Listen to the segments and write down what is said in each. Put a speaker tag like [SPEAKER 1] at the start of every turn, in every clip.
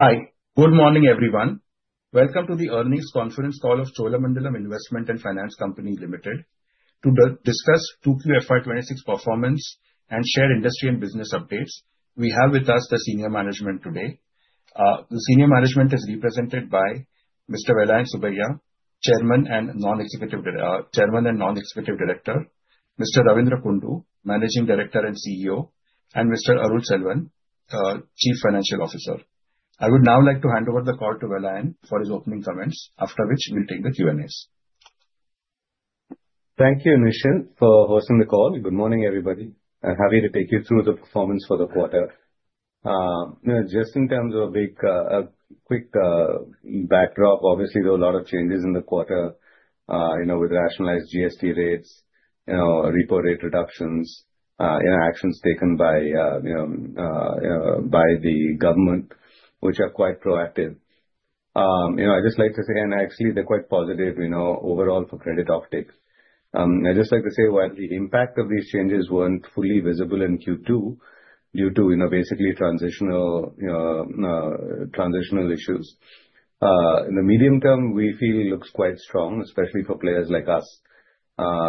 [SPEAKER 1] Hi. Good morning, everyone. Welcome to the Earnings Conference Call of Cholamandalam Investment and Finance Company Limited to discuss Q2 FY26 performance and share industry and business updates. We have with us the senior management today. The senior management is represented by Mr. Vellayan Subbiah, Chairman and Non-Executive Director, Mr. Ravindra Kundu, Managing Director and CEO, and Mr. Arul Selvan, Chief Financial Officer. I would now like to hand over the call to Vellayan for his opening comments, after which we'll take the Q&As.
[SPEAKER 2] Thank you, Anish, for hosting the call. Good morning, everybody. I'm happy to take you through the performance for the quarter. Just in terms of a quick backdrop, obviously, there are a lot of changes in the quarter with rationalized GST rates, repo rate reductions, actions taken by the government, which are quite proactive. I just like to say, and actually, they're quite positive overall for credit uptake. I just like to say, while the impact of these changes weren't fully visible in Q2 due to basically transitional issues, in the medium term, we feel it looks quite strong, especially for players like us,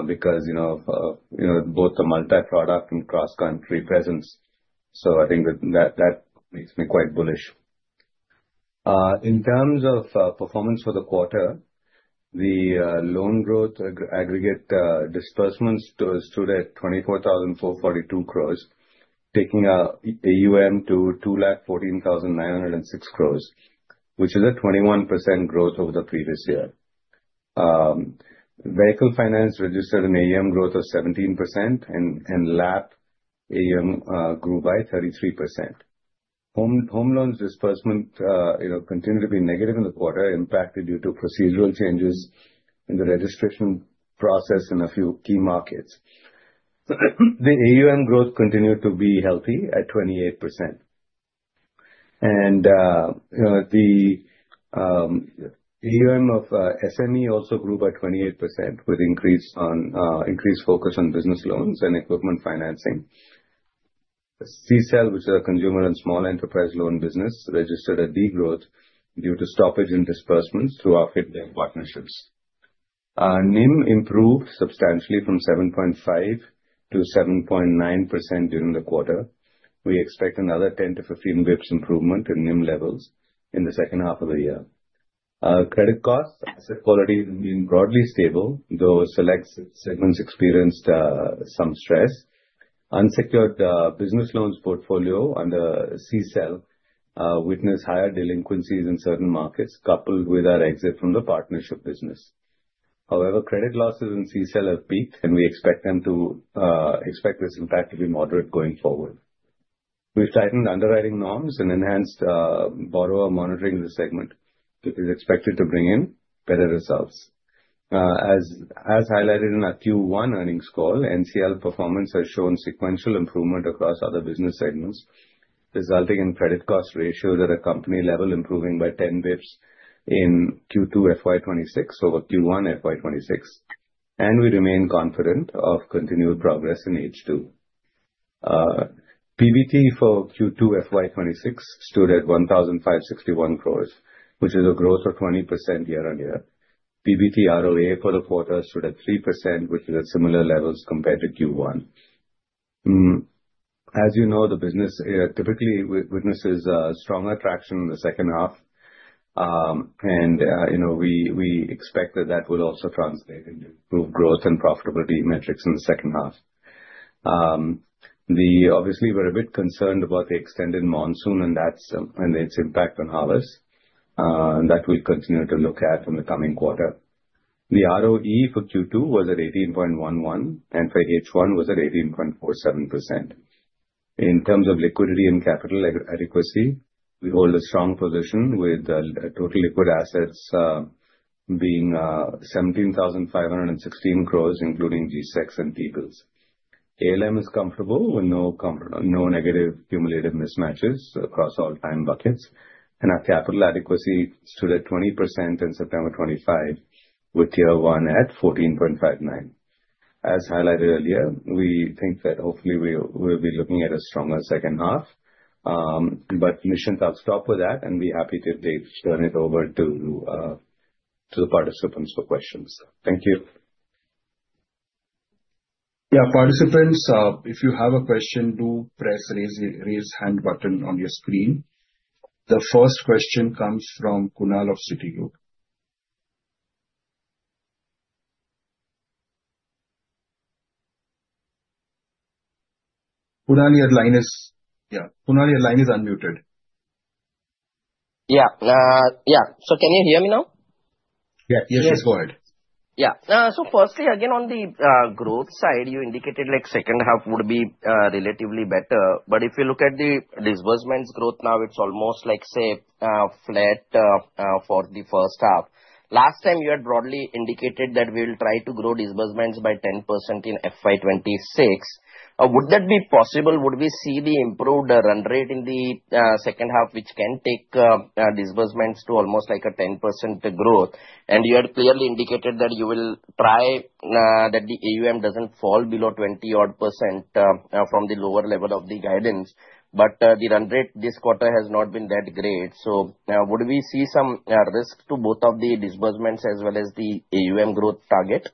[SPEAKER 2] because of both the multi-product and cross-country presence. So I think that makes me quite bullish. In terms of performance for the quarter, the loan growth aggregate disbursements stood at 24,442 crores, taking AUM to 214,906 crores, which is a 21% growth over the previous year. Vehicle finance registered an AUM growth of 17%, and LAP AUM grew by 33%. Home loans disbursement continued to be negative in the quarter, impacted due to procedural changes in the registration process in a few key markets. The AUM growth continued to be healthy at 28%, and the AUM of SME also grew by 28% with increased focus on business loans and equipment financing. CSEL, which is a consumer and small enterprise loan business, registered a degrowth due to stoppage in disbursements through our FIPBank partnerships. NIM improved substantially from 7.5% to 7.9% during the quarter. We expect another 10 to 15 BPS improvement in NIM levels in the second half of the year. Credit costs and asset quality have been broadly stable, though select segments experienced some stress. Unsecured business loans portfolio under CSEL witnessed higher delinquencies in certain markets, coupled with our exit from the partnership business. However, credit losses in CSEL have peaked, and we expect this impact to be moderate going forward. We've tightened underwriting norms and enhanced borrower monitoring in this segment, which is expected to bring in better results. As highlighted in our Q1 earnings call, NCL performance has shown sequential improvement across other business segments, resulting in credit cost ratios at a company level improving by 10 BPS in Q2 FY26 over Q1 FY26. We remain confident of continued progress in H2. PBT for Q2 FY26 stood at 1,561 crores, which is a growth of 20% year-on-year. PBT-ROTA for the quarter stood at 3%, which is at similar levels compared to Q1. As you know, the business typically witnesses stronger traction in the second half. We expect that that will also translate into improved growth and profitability metrics in the second half. Obviously, we're a bit concerned about the extended monsoon and its impact on harvest. That we'll continue to look at in the coming quarter. The ROE for Q2 was at 18.11%, and for H1 was at 18.47%. In terms of liquidity and capital adequacy, we hold a strong position with total liquid assets being 17,516 crores, including G-Secs and T-Bills. ALM is comfortable with no negative cumulative mismatches across all time buckets. And our capital adequacy stood at 20% in September 2025, with Tier 1 at 14.59. As highlighted earlier, we think that hopefully we'll be looking at a stronger second half. But Anish, I'll stop with that, and be happy to turn it over to the participants for questions. Thank you.
[SPEAKER 1] Yeah, participants, if you have a question, do press raise hand button on your screen. The first question comes from Kunal of Citigroup. Kunal, your line is, yeah, Kunal, your line is unmuted. Yeah. So can you hear me now? Yeah. Yes, go ahead. Yeah. So firstly, again, on the growth side, you indicated second half would be relatively better. But if you look at the disbursements growth now, it's almost like, say, flat for the first half. Last time, you had broadly indicated that we'll try to grow disbursements by 10% in FY26. Would that be possible? Would we see the improved run rate in the second half, which can take disbursements to almost like a 10% growth? And you had clearly indicated that you will try that the AUM doesn't fall below 20-odd% from the lower level of the guidance. But the run rate this quarter has not been that great. So would we see some risk to both of the disbursements as well as the AUM growth target?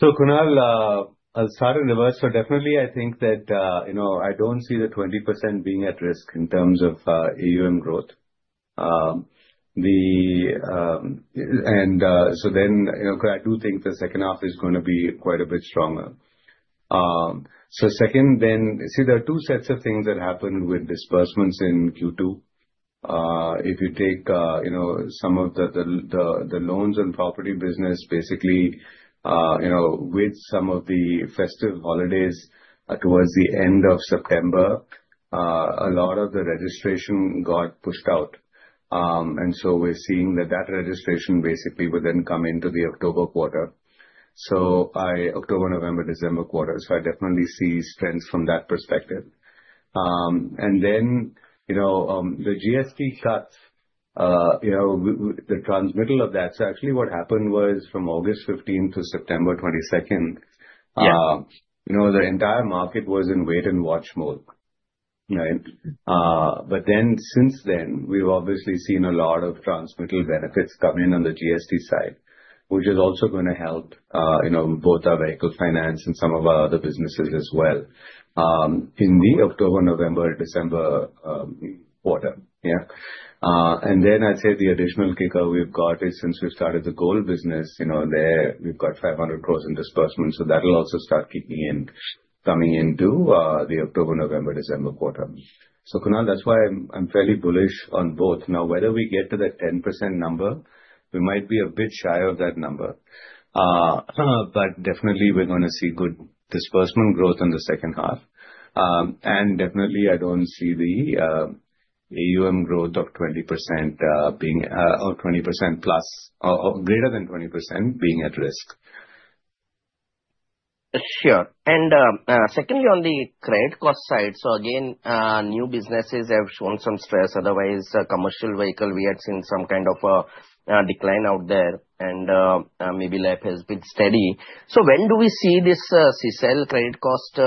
[SPEAKER 2] So, Kunal, I'll start in reverse. So definitely, I think that I don't see the 20% being at risk in terms of AUM growth. And so then, I do think the second half is going to be quite a bit stronger. So second, then see, there are two sets of things that happen with disbursements in Q2. If you take some of the loan against property business, basically, with some of the festive holidays towards the end of September, a lot of the registration got pushed out. And so we're seeing that that registration basically would then come into the October quarter, so October, November, December quarters. So I definitely see strengths from that perspective. And then the GST cuts, the transmittal of that. So actually, what happened was from August 15th to September 22nd, the entire market was in wait-and-watch mode. But then, since then, we've obviously seen a lot of transmission benefits come in on the GST side, which is also going to help both our vehicle finance and some of our other businesses as well in the October, November, December quarter. Yeah. And then, I'd say the additional kicker we've got is since we've started the gold business, we've got 500 crores in disbursements. So that'll also start kicking in, coming into the October, November, December quarter. So, Kunal, that's why I'm fairly bullish on both. Now, whether we get to that 10% number, we might be a bit shy of that number. But definitely, we're going to see good disbursement growth in the second half. And definitely, I don't see the AUM growth of 20% being or 20% plus or greater than 20% being at risk. Sure. And secondly, on the credit cost side, so again, new businesses have shown some stress. Otherwise, commercial vehicles, we had seen some kind of a decline out there, and maybe LAP has been steady. So, when do we see this CSEL credit cost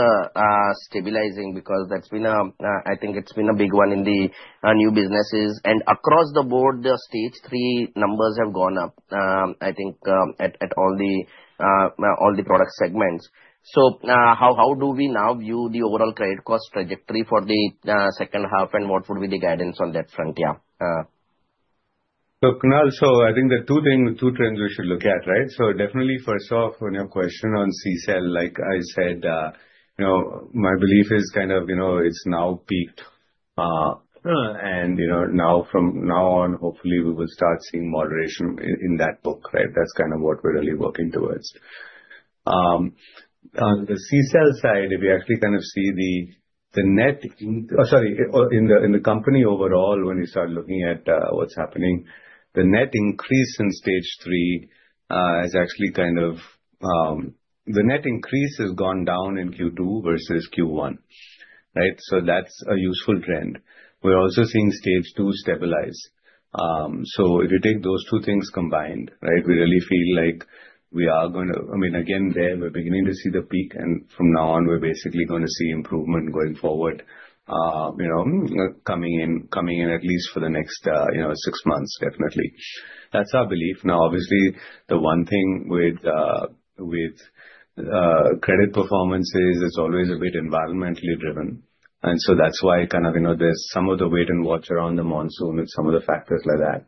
[SPEAKER 2] stabilizing? Because that's been, I think it's been a big one in the new businesses. And across the board, the stage three numbers have gone up, I think, at all the product segments. So how do we now view the overall credit cost trajectory for the second half, and what would be the guidance on that front? Yeah. So, Kunal, I think the two trends we should look at, right? So definitely, first off, on your question on CSEL, like I said, my belief is kind of it's now peaked. And now from now on, hopefully, we will start seeing moderation in that book, right? That's kind of what we're really working towards. On the CSEL side, if you actually kind of see the net - sorry, in the company overall, when you start looking at what's happening, the net increase in stage three has actually kind of gone down in Q2 versus Q1, right? So that's a useful trend. We're also seeing stage two stabilize. So if you take those two things combined, right, we really feel like we are going to, I mean, again, there, we're beginning to see the peak. And from now on, we're basically going to see improvement going forward, coming in at least for the next six months, definitely. That's our belief. Now, obviously, the one thing with credit performances is always a bit environmentally driven. And so that's why kind of there's some of the wait-and-watch around the monsoon with some of the factors like that.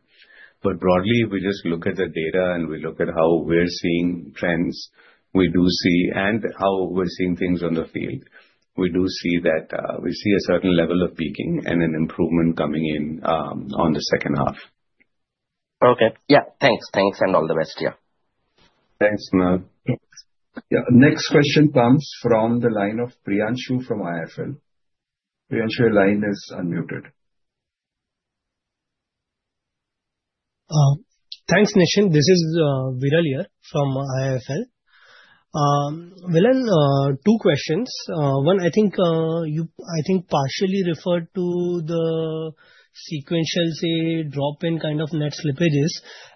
[SPEAKER 2] But broadly, if we just look at the data and we look at how we're seeing trends, we do see, and how we're seeing things on the field, we do see that we see a certain level of peaking and an improvement coming in on the second half. Okay. Yeah. Thanks, and all the best. Yeah. Thanks, Kunal.
[SPEAKER 1] Yeah. Next question comes from the line of Priyanshu from IIFL. Priyanshu, your line is unmuted.
[SPEAKER 3] Thanks, Anish. This is Viral here from IIFL. Vellayan, two questions. One, I think you partially referred to the sequential, say, drop in kind of net slippages.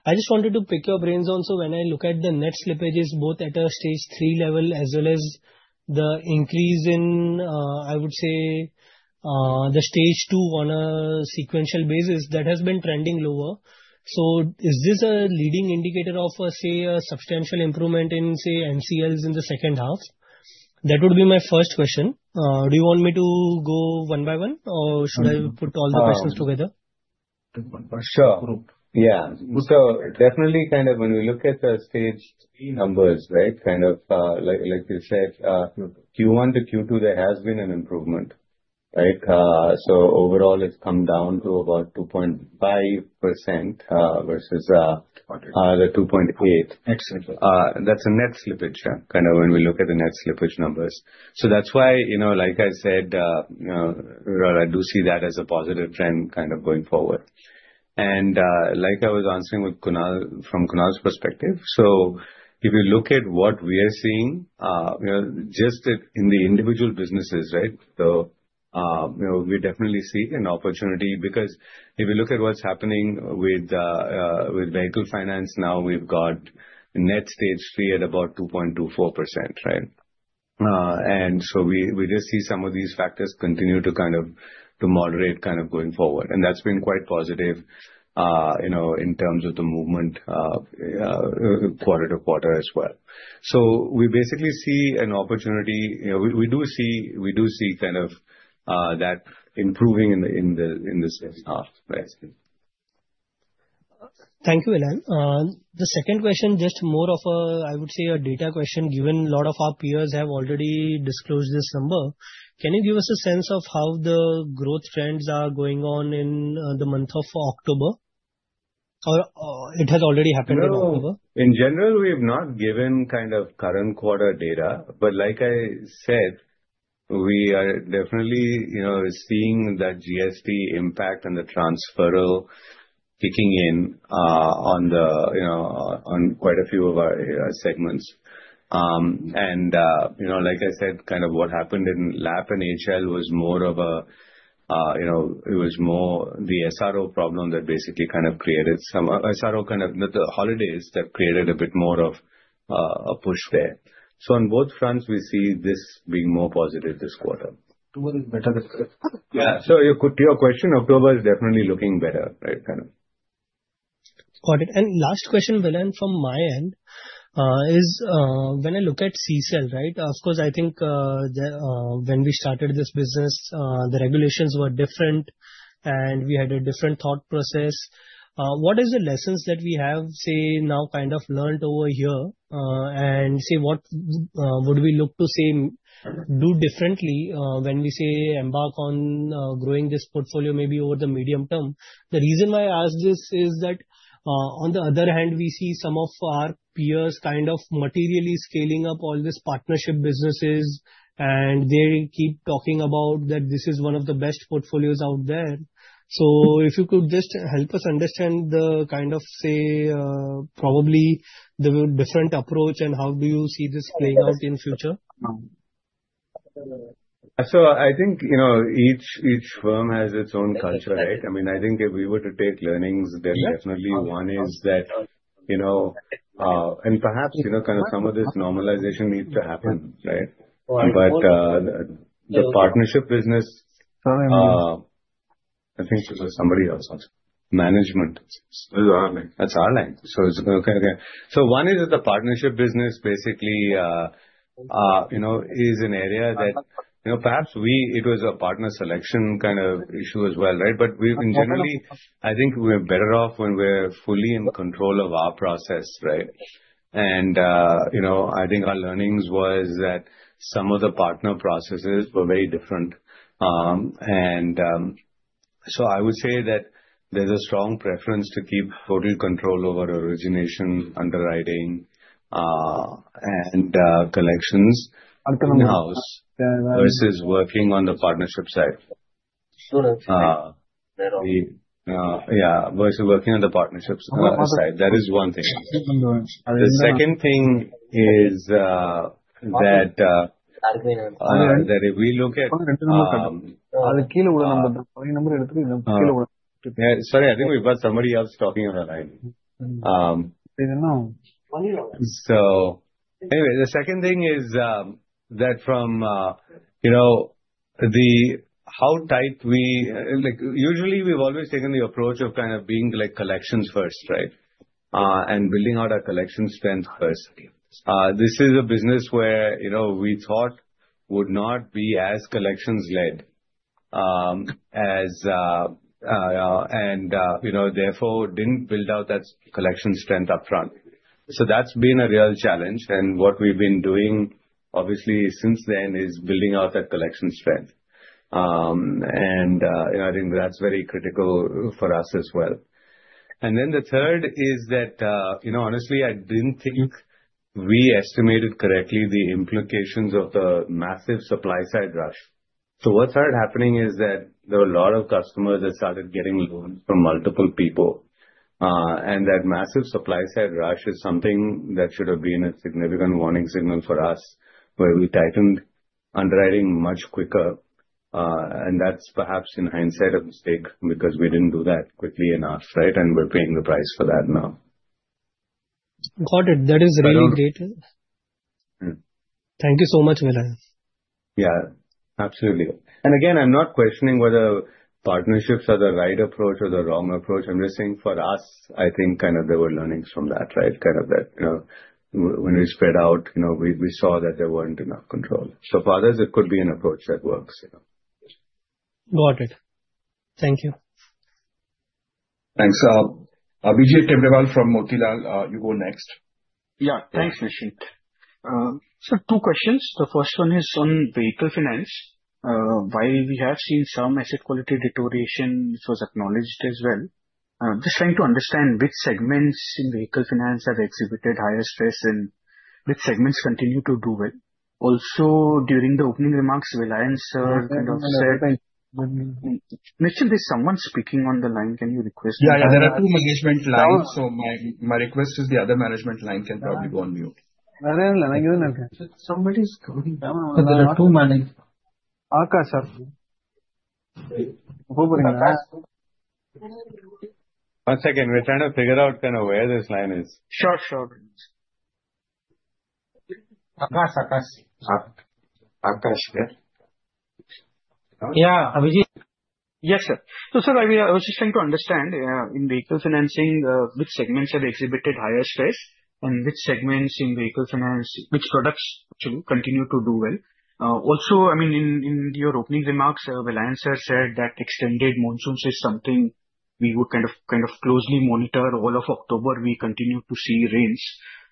[SPEAKER 3] I just wanted to pick your brains on. So when I look at the net slippages, both at a Stage 3 level as well as the increase in, I would say, the Stage 2 on a sequential basis, that has been trending lower. So is this a leading indicator of, say, a substantial improvement in, say, NCLs in the second half? That would be my first question. Do you want me to go one-by-one, or should I put all the questions together?
[SPEAKER 2] Sure. Yeah. So definitely, kind of when we look at the Stage 3 numbers, right, kind of like you said, Q1 to Q2, there has been an improvement, right? So overall, it's come down to about 2.5% versus the 2.8%.
[SPEAKER 3] Excellent.
[SPEAKER 2] That's a net slippage, yeah, kind of when we look at the net slippage numbers. So that's why, like I said, I do see that as a positive trend kind of going forward. And like I was answering from Kunal's perspective, so if you look at what we are seeing, just in the individual businesses, right, we definitely see an opportunity because if you look at what's happening with vehicle finance now, we've got net stage three at about 2.24%, right? And so we just see some of these factors continue to kind of moderate kind of going forward. And that's been quite positive in terms of the movement quarter-to-quarter as well. So we basically see an opportunity. We do see kind of that improving in the second half, right?
[SPEAKER 3] Thank you, Vellayan. The second question, just more of a, I would say, a data question, given a lot of our peers have already disclosed this number. Can you give us a sense of how the growth trends are going on in the month of October? Or it has already happened in October?
[SPEAKER 2] In general, we have not given kind of current quarter data. But like I said, we are definitely seeing that GST impact and the transferral kicking in on quite a few of our segments. And like I said, kind of what happened in LAP and HL was more of a. It was more the SRO problem that basically kind of created some SRO kind of the holidays that created a bit more of a push there. So on both fronts, we see this being more positive this quarter.
[SPEAKER 4] October is better than October. Yeah. So to your question, October is definitely looking better, right, kind of.
[SPEAKER 3] Got it. And last question, Vellayan, from my end, is when I look at CSEL, right, of course, I think when we started this business, the regulations were different, and we had a different thought process. What are the lessons that we have, say, now kind of learned over here? And say, what would we look to, say, do differently when we say embark on growing this portfolio, maybe over the medium term? The reason why I ask this is that on the other hand, we see some of our peers kind of materially scaling up all these partnership businesses, and they keep talking about that this is one of the best portfolios out there. So if you could just help us understand the kind of, say, probably the different approach and how do you see this playing out in the future?
[SPEAKER 2] So I think each firm has its own culture, right? I mean, I think if we were to take learnings, then definitely one is that, and perhaps kind of some of this normalization needs to happen, right? But the partnership business, I think it was somebody else also. Management. That's Arul, so it's okay, so one is that the partnership business basically is an area that perhaps it was a partner selection kind of issue as well, right? But in general, I think we're better off when we're fully in control of our process, right? And I think our learnings was that some of the partner processes were very different. And so I would say that there's a strong preference to keep total control over origination, underwriting, and collections in-house versus working on the partnership side. Yeah, versus working on the partnership side. That is one thing. The second thing is that, so anyway, the second thing is that from how tight we usually, we've always taken the approach of kind of being collections first, right, and building out our collection strength first. This is a business where we thought would not be as collections-led as, and therefore, didn't build out that collection strength upfront. So that's been a real challenge. And what we've been doing, obviously, since then is building out that collection strength. And I think that's very critical for us as well. And then the third is that, honestly, I didn't think we estimated correctly the implications of the massive supply-side rush. So what started happening is that there were a lot of customers that started getting loans from multiple people. And that massive supply-side rush is something that should have been a significant warning signal for us where we tighten underwriting much quicker. And that's perhaps in hindsight a mistake because we didn't do that quickly enough, right? And we're paying the price for that now.
[SPEAKER 3] Got it. That is really great. Thank you so much, Vellayan.
[SPEAKER 2] Yeah. Absolutely, and again, I'm not questioning whether partnerships are the right approach or the wrong approach. I'm just saying, for us, I think kind of there were learnings from that, right? Kind of that when we spread out, we saw that there weren't enough control. So for others, it could be an approach that works.
[SPEAKER 3] Got it. Thank you.
[SPEAKER 1] Thanks. Abhijit Tibrewal from Motilal, you go next.
[SPEAKER 5] Yeah. Thanks, Anish. So two questions. The first one is on vehicle finance. While we have seen some asset quality deterioration, which was acknowledged as well, I'm just trying to understand which segments in vehicle finance have exhibited higher stress and which segments continue to do well. Also, during the opening remarks, Vellayan Sir kind of said, "Michhan, is someone speaking on the line? Can you request?
[SPEAKER 4] Yeah. There are two management lines. So my request is the other management line can probably go on mute.
[SPEAKER 3] Somebody's coming down.
[SPEAKER 1] One second. We're trying to figure out kind of where this line is. Yeah. Abhijit. Yes, sir.
[SPEAKER 5] So sir, I was just trying to understand in vehicle financing, which segments have exhibited higher stress, and which segments in vehicle finance, which products continue to do well? Also, I mean, in your opening remarks, Vellayan Sir said that extended monsoons is something we would kind of closely monitor. All of October, we continued to see rains.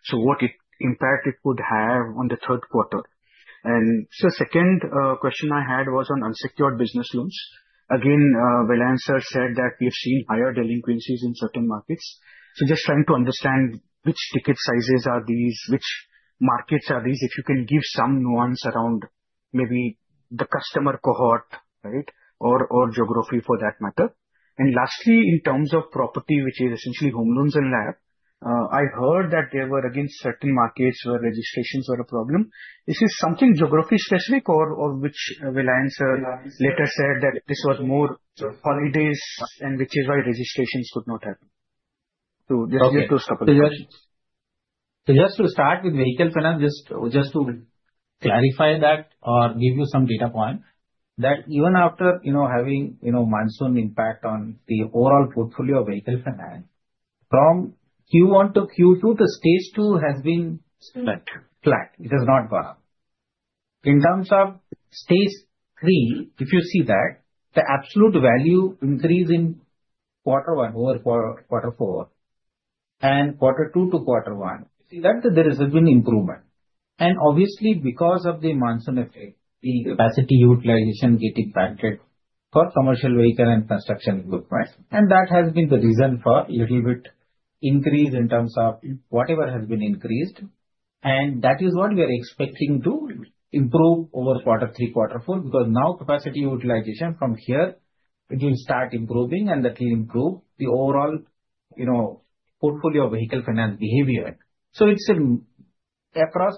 [SPEAKER 5] So what impact it could have on the third quarter? And so second question I had was on unsecured business loans. Again, Vellayan Sir said that we have seen higher delinquencies in certain markets. So just trying to understand which ticket sizes are these, which markets are these, if you can give some nuance around maybe the customer cohort, right, or geography for that matter. And lastly, in terms of property, which is essentially home loans and LAP, I heard that there were, again, certain markets where registrations were a problem. Is this something geography-specific, or which Vellayan Sir later said that this was more holidays and which is why registrations could not happen? So just give those couple of questions.
[SPEAKER 6] So, just to start with vehicle finance, just to clarify that or give you some data point, that even after having monsoon impact on the overall portfolio of vehicle finance, from Q1 to Q2, the stage two has been flat. It has not gone up. In terms of stage three, if you see that the absolute value increase in quarter one over quarter four and quarter two to quarter one, you see that there has been improvement. And obviously, because of the monsoon effect, the capacity utilization getting banked for commercial vehicle and construction equipment. And that has been the reason for a little bit increase in terms of whatever has been increased. And that is what we are expecting to improve over quarter three, quarter four, because now capacity utilization from here it will start improving, and that will improve the overall portfolio of vehicle finance behavior. It's across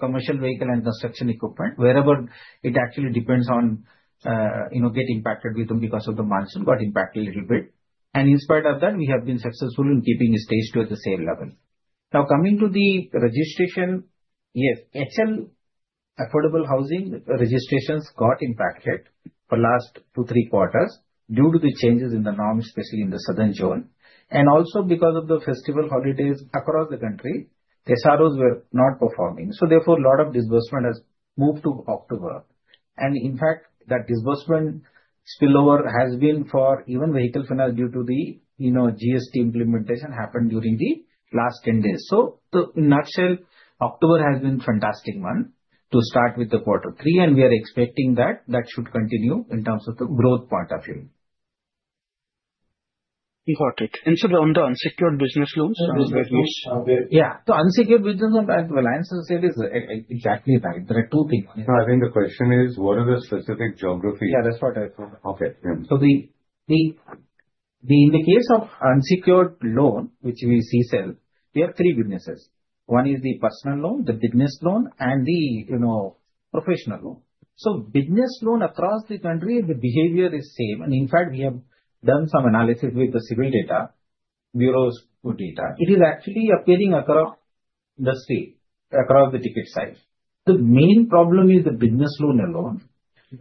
[SPEAKER 6] commercial vehicle and construction equipment, wherever it actually depends on getting impacted with them because of the monsoon got impacted a little bit. In spite of that, we have been successful in keeping Stage 2 at the same level. Now, coming to the registration, yes, HL affordable housing registrations got impacted for the last two, three quarters due to the changes in the norm, especially in the southern zone. Also because of the festival holidays across the country, the SROs were not performing. Therefore, a lot of disbursement has moved to October. In fact, that disbursement spillover has been for even vehicle finance due to the GST implementation happened during the last 10 days. So in a nutshell, October has been a fantastic month to start with the quarter three, and we are expecting that that should continue in terms of the growth point of view.
[SPEAKER 5] Got it, and so on, the unsecured business loans.
[SPEAKER 6] Yeah. The unsecured business loan, as Vellayan Sir said, is exactly right. There are two things.
[SPEAKER 2] No, I think the question is, what are the specific geographies?
[SPEAKER 4] Yeah, that's what I thought.
[SPEAKER 2] Okay.
[SPEAKER 6] So in the case of unsecured loan, which we see swell, we have three businesses. One is the personal loan, the business loan, and the professional loan. So, business loan across the country, the behavior is same. And in fact, we have done some analysis with the CIBIL data, bureau's data. It is actually appearing across the states, across the ticket size. The main problem is the business loan alone,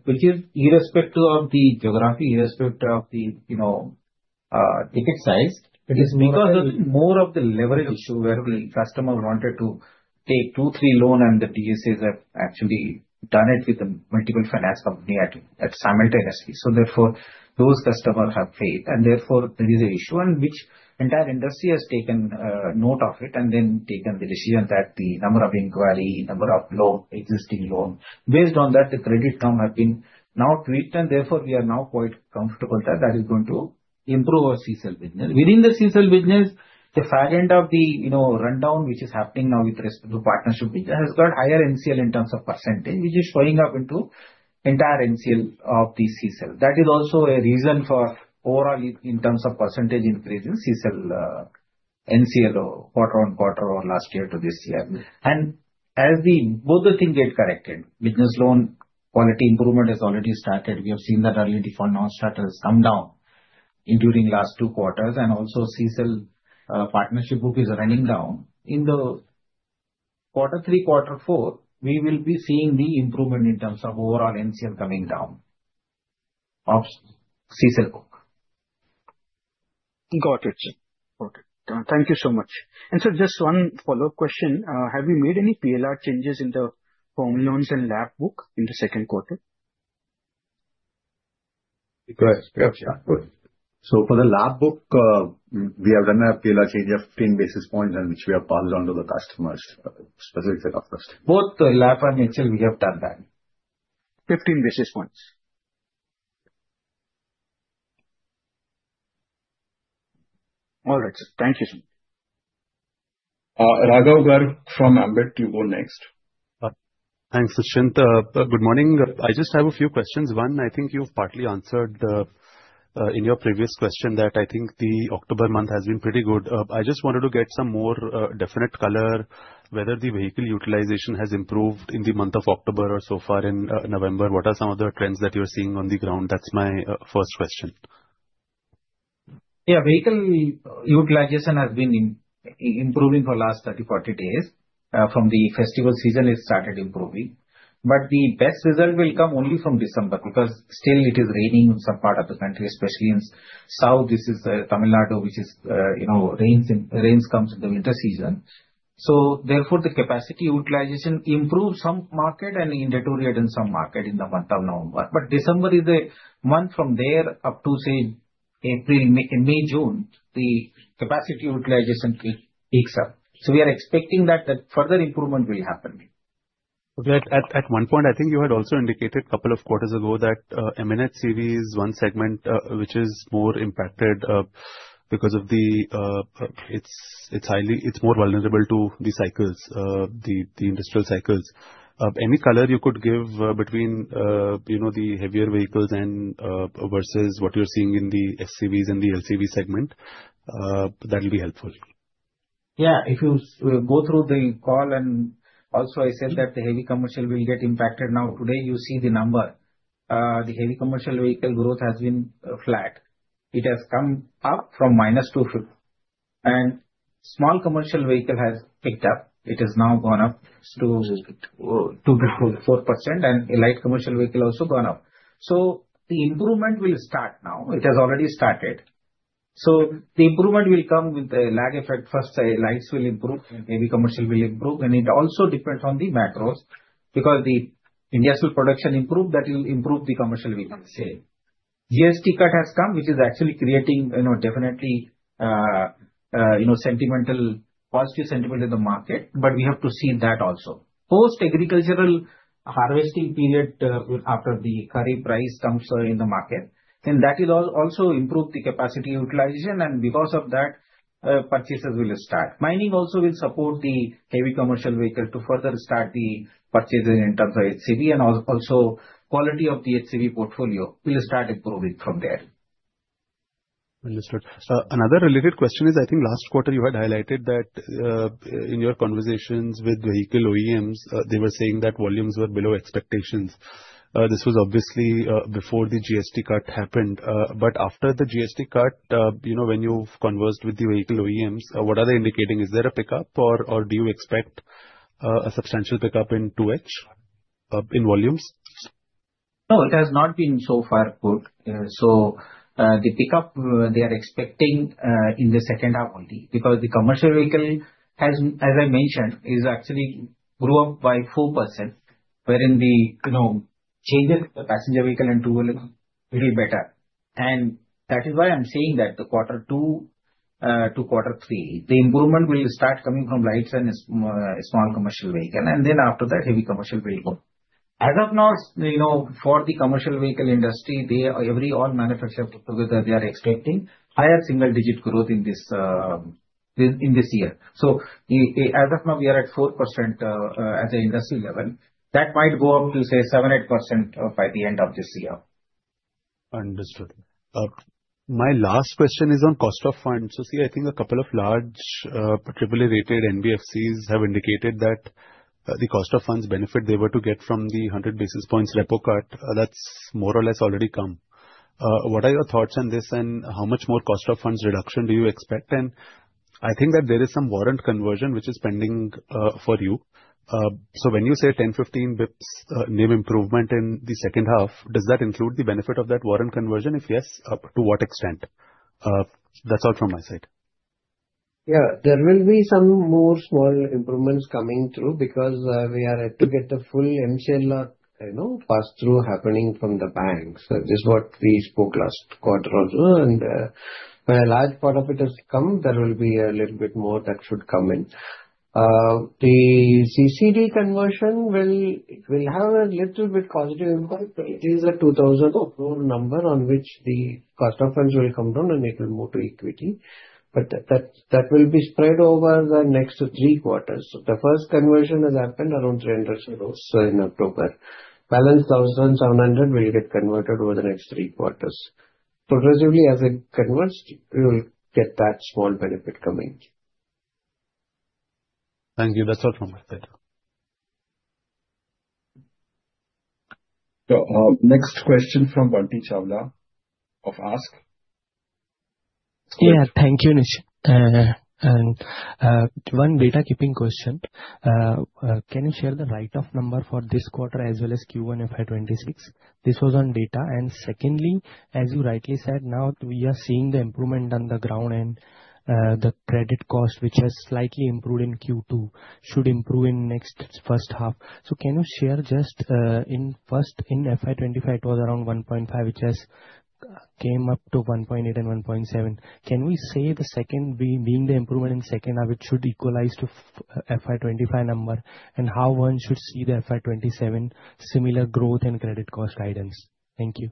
[SPEAKER 6] which is irrespective of the geography irrespective of the ticket size. It is because of more of the leverage issue where the customer wanted to take two, three loans, and the DSAs have actually done it with the multiple finance companies simultaneously. Therefore, those customers have failed. And therefore, there is an issue, and the entire industry has taken note of it and then taken the decision that the number of inquiry, number of existing loan, based on that, the credit term has been now tweaked. And therefore, we are now quite comfortable that that is going to improve our CSL business. Within the CSL business, the far end of the rundown, which is happening now with respect to partnership, has got higher NCL in terms of percentage, which is showing up into entire NCL of the CSL. That is also a reason for overall in terms of percentage increase in CSL, NCL, quarter-on-quarter or last year to this year. And as both things get corrected, business loan quality improvement has already started. We have seen that early default non-starter has come down during the last two quarters. Also, CSL partnership book is running down. In the quarter three, quarter four, we will be seeing the improvement in terms of overall NCL coming down of CSL book.
[SPEAKER 5] Got it. Thank you so much, and so just one follow-up question. Have you made any PLR changes in the home loans and LAP book in the Second quarter?
[SPEAKER 2] So for the LAP book, we have done a PLR change of 15 BPS in which we have passed on to the customers, specifically customers.
[SPEAKER 6] Both LAP and HL, we have done that.15 BPS.
[SPEAKER 5] All right, sir. Thank you so much.
[SPEAKER 1] Raghav Garg from Ambit, you go next.
[SPEAKER 7] Thanks, Anish. Good morning. I just have a few questions. One, I think you've partly answered in your previous question that I think the October month has been pretty good. I just wanted to get some more definite color, whether the vehicle utilization has improved in the month of October or so far in November. What are some of the trends that you're seeing on the ground? That's my first question.
[SPEAKER 6] Yeah. Vehicle utilization has been improving for the last 30, 40 days. From the festival season, it started improving. But the best result will come only from December because it is still raining in some part of the country, especially in the south. This is Tamil Nadu, which rains come in the winter season. So therefore, the capacity utilization improves in some markets and in the north, and some markets in the month of November. But December is a month from there up to, say, April, May, June, the capacity utilization peaks up. So we are expecting that further improvement will happen.
[SPEAKER 7] At one point, I think you had also indicated a couple of quarters ago that MNHCV is one segment which is more impacted because it's more vulnerable to the cycles, the industrial cycles. Any color you could give between the heavier vehicles versus what you're seeing in the SCVs and the LCV segment, that will be helpful.
[SPEAKER 6] Yeah. If you go through the call, and also I said that the heavy commercial will get impacted. Now, today, you see the number. The heavy commercial vehicle growth has been flat. It has come up from minus 250. And small commercial vehicle has picked up. It has now gone up to 4%. And light commercial vehicles also gone up. So the improvement will start now. It has already started. So the improvement will come with the lag effect. First, the lights will improve. Heavy commercial will improve. And it also depends on the macros because the industrial production improved, that will improve the commercial vehicle sales. GST cut has come, which is actually creating definitely sentimental, positive sentiment in the market. But we have to see that also. Post-agricultural harvesting period, after the kharif price comes in the market. And that will also improve the capacity utilization. Because of that, purchases will start. Mining also will support the heavy commercial vehicle to further start the purchases in terms of HCV. Also, quality of the HCV portfolio will start improving from there.
[SPEAKER 7] Understood. Another related question is, I think last quarter, you had highlighted that in your conversations with vehicle OEMs, they were saying that volumes were below expectations. This was obviously before the GST cut happened. But after the GST cut, when you've conversed with the vehicle OEMs, what are they indicating? Is there a pickup, or do you expect a substantial pickup in 2H in volumes?
[SPEAKER 6] No, it has not been so far put. So the pickup they are expecting in the second half only because the commercial vehicle, as I mentioned, actually grew up by 4%, wherein the change in the passenger vehicle and two-wheeler will be better, and that is why I'm saying that the quarter two to quarter three, the improvement will start coming from light and small commercial vehicle, and then after that, heavy commercial will go. As of now, for the commercial vehicle industry, all manufacturers together they are expecting higher single-digit growth in this year. So as of now, we are at 4% at the industry level. That might go up to, say, 7%-8% by the end of this year.
[SPEAKER 7] Understood. My last question is on cost of funds. So see, I think a couple of large triple-rated NBFCs have indicated that the cost of funds benefit they were to get from the 100 BPS repo cut, that's more or less already come. What are your thoughts on this, and how much more cost of funds reduction do you expect? And I think that there is some warrant conversion, which is pending for you. So when you say 10, 15 BPS NIM improvement in the second half, does that include the benefit of that warrant conversion? If yes, to what extent? That's all from my side.
[SPEAKER 6] Yeah. There will be some more small improvements coming through because we are to get the full MCL passed through happening from the banks. This is what we spoke last quarter also. When a large part of it has come, there will be a little bit more that should come in. The CCD conversion will have a little bit positive impact. It is a 2,000 number on which the cost of funds will come down, and it will move to equity. But that will be spread over the next three quarters. The first conversion has happened around 300,000 in October. Balance 1,700 will get converted over the next three quarters. Progressively, as it converts, we will get that small benefit coming.
[SPEAKER 7] Thank you. That's all from my side.
[SPEAKER 1] Next question from Bunty Chawla of Ask.
[SPEAKER 8] Yeah, thank you, Anish. And one housekeeping question. Can you share the write-off number for this quarter, as well as Q1 FY26? This was on data. And secondly, as you rightly said, now we are seeing the improvement on the ground, and the credit cost, which has slightly improved in Q2, should improve in next first half. So, can you share just in first, in FY25, it was around 1.5, which has come up to 1.8 and 1.7. Can we say the second being the improvement in second half, it should equalize to FY25 number? And how one should see the FY27 similar growth and credit cost guidance? Thank you.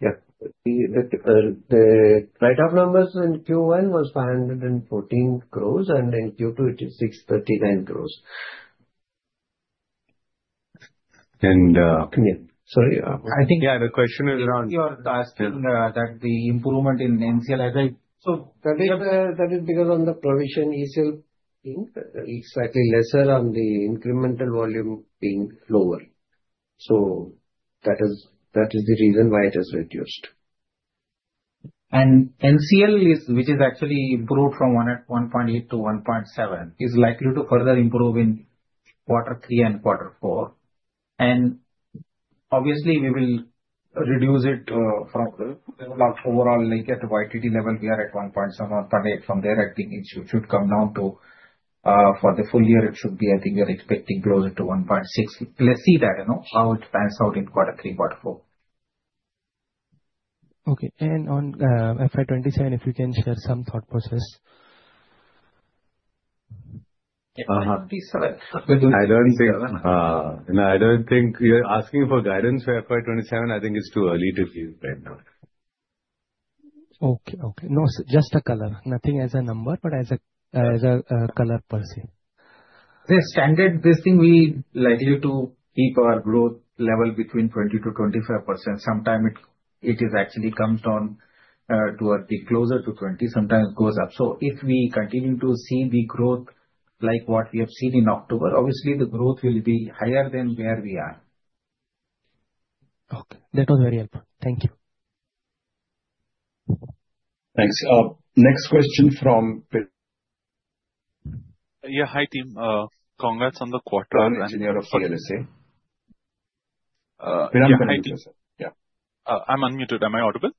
[SPEAKER 6] Yeah. The write-off numbers in Q1 was 514 crores, and in Q2, it is 639 crores.
[SPEAKER 2] And.
[SPEAKER 6] Yeah. Sorry. Yeah, the question is around. You're asking that the improvement in NCL. So that is because on the provision, ECL being slightly lesser on the incremental volume being lower. So that is the reason why it has reduced. And NCL, which is actually improved from 1.8 to 1.7, is likely to further improve in quarter three and quarter four. And obviously, we will reduce it from overall, like at YTD level, we are at 1.7 or 1.8. From there, I think it should come down to for the full year, it should be, I think we are expecting closer to 1.6. Let's see how it pans out in quarter three, quarter four.
[SPEAKER 8] Okay, and on FY27, if you can share some thought process?
[SPEAKER 2] I don't think you're asking for guidance for FY27. I think it's too early to give right now.
[SPEAKER 8] Okay. No, just a color. Nothing as a number, but as a color, per se.
[SPEAKER 6] The standard best thing we like you to keep our growth level between 20% to 25%. Sometimes it actually comes down toward the closer to 20. Sometimes it goes up. So if we continue to see the growth like what we have seen in October, obviously, the growth will be higher than where we are.
[SPEAKER 8] Okay. That was very helpful. Thank you.
[SPEAKER 1] Thanks. Next question from.
[SPEAKER 9] Yeah. Hi, team. Congrats on the quarter. I'm Piran Engineer of CLSA. Yeah. I'm unmuted. Am I audible?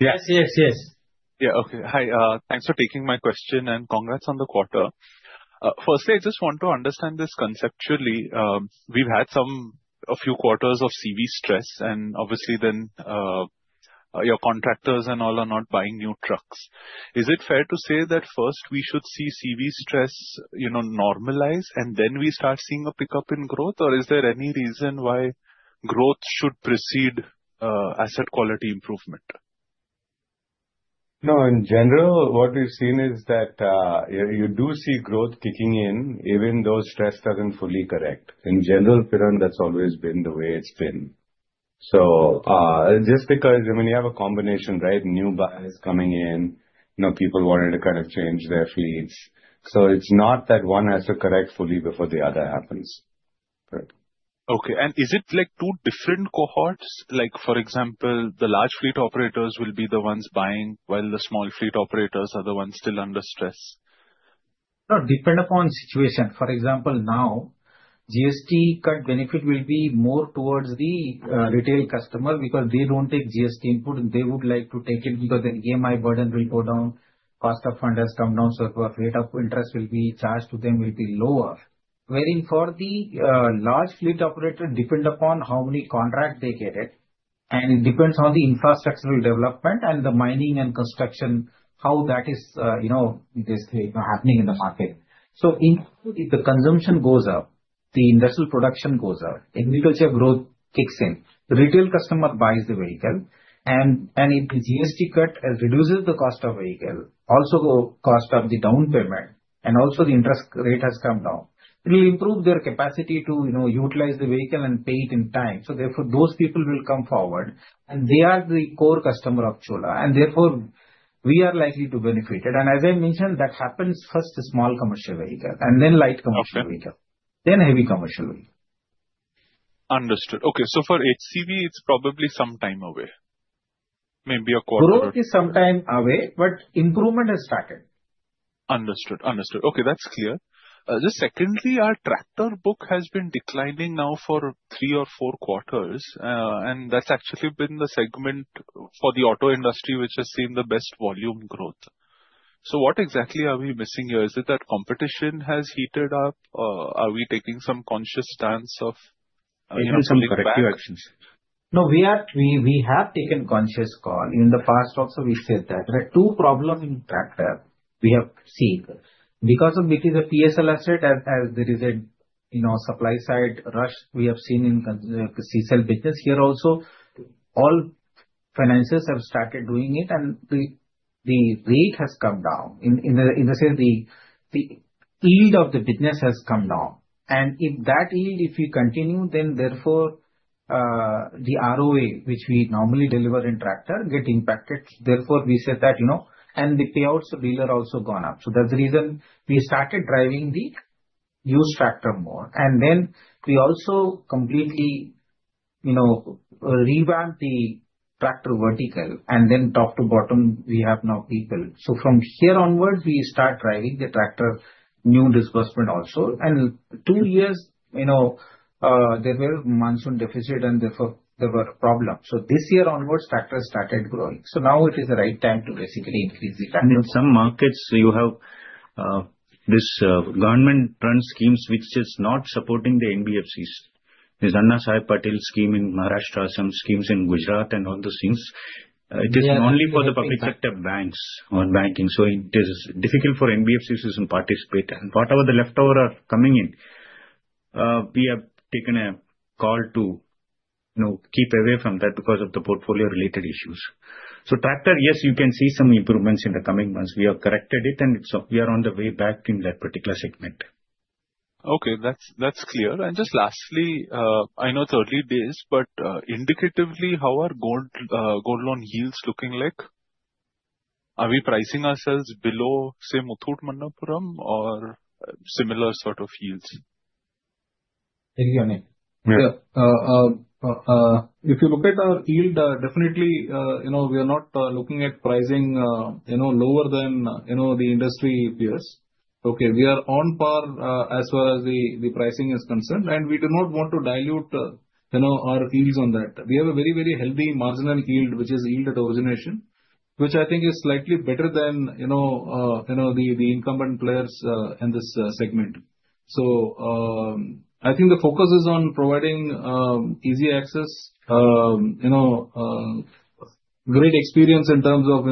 [SPEAKER 6] Yes.
[SPEAKER 9] Yeah. Okay. Hi. Thanks for taking my question and congrats on the quarter. Firstly, I just want to understand this conceptually. We've had a few quarters of CV stress, and obviously, then your contractors and all are not buying new trucks. Is it fair to say that first we should see CV stress normalize and then we start seeing a pickup in growth, or is there any reason why growth should precede asset quality improvement?
[SPEAKER 2] No. In general, what we've seen is that you do see growth kicking in even though stress doesn't fully correct. In general, Piran has always been the way it's been. So just because, I mean, you have a combination, right? New buyers coming in. People wanted to kind of change their fleets. So it's not that one has to correct fully before the other happens.
[SPEAKER 9] Okay, and is it like two different cohorts? For example, the large fleet operators will be the ones buying while the small fleet operators are the ones still under stress.
[SPEAKER 6] No. Depends upon situation. For example, now, GST cut benefit will be more towards the retail customer because they don't take GST input. They would like to take it because then EMI burden will go down. Cost of funds has come down. So the rate of interest will be charged to them will be lower. Wherein for the large fleet operator, depends upon how many contracts they get. And it depends on the infrastructural development and the mining and construction, how that is happening in the market. So if the consumption goes up, the industrial production goes up, agriculture growth kicks in, retail customer buys the vehicle. And if the GST cut reduces the cost of vehicle, also cost of the down payment, and also the interest rate has come down, it will improve their capacity to utilize the vehicle and pay it in time. So, therefore, those people will come forward. And they are the core customer of Chola. And therefore, we are likely to benefit it. And as I mentioned, that happens first, small commercial vehicle, and then light commercial vehicle, then heavy commercial vehicle.
[SPEAKER 9] Understood. Okay. So for HCV, it's probably some time away, maybe a quarter.
[SPEAKER 6] Growth is some time away, but improvement has started.
[SPEAKER 9] Understood.Okay. That's clear. Just secondly, our tractor book has been declining now for three or four quarters. And that's actually been the segment for the auto industry, which has seen the best volume growth. So what exactly are we missing here? Is it that competition has heated up? Are we taking some conscious stance of.
[SPEAKER 2] Taking some corrective actions.
[SPEAKER 6] No. We have taken conscious call. In the past, also, we said that there are two problems in tractor we have seen. Because it is a PSL asset, as there is a supply-side rush we have seen in the CCL business. Here also, all finances have started doing it, and the rate has come down. In the same way, the yield of the business has come down. And if that yield, if we continue, then therefore, the ROA, which we normally deliver in tractor, gets impacted. Therefore, we said that. And the payouts of dealer also gone up. So that's the reason we started driving the used tractor more. And then we also completely revamped the tractor vertical. And then top to bottom, we have now people. So from here onwards, we start driving the tractor new disbursement also. And two years, there were monsoon deficits, and therefore, there were problems. So this year onwards, tractors started growing. So now it is the right time to basically increase the tractor.
[SPEAKER 2] I mean, some markets, you have this government-run schemes which is not supporting the NBFCs. There's Annasaheb Patil scheme in Maharashtra, some schemes in Gujarat, and all those things. It is only for the public sector banks or banking. So it is difficult for NBFCs to participate. And whatever the leftover are coming in, we have taken a call to keep away from that because of the portfolio-related issues. So tractor, yes, you can see some improvements in the coming months. We have corrected it, and we are on the way back in that particular segment.
[SPEAKER 9] Okay. That's clear. And just lastly, I know it's early days, but indicatively, how are gold loan yields looking like? Are we pricing ourselves below, say, Muthoot Manappuram or similar sort of yields?
[SPEAKER 6] Thank you, Anish. If you look at our yield, definitely, we are not looking at pricing lower than the industry peers. Okay. We are on par as far as the pricing is concerned, and we do not want to dilute our yields on that. We have a very, very healthy marginal yield, which is yield at origination, which I think is slightly better than the incumbent players in this segment, so I think the focus is on providing easy access, great experience in terms of